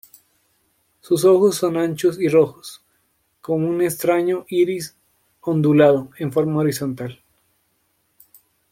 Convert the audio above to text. Sus ojos son anchos y rojos con un extraño iris ondulado en forma horizontal.